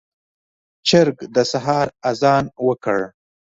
چرګ د سحر اذان وکړ.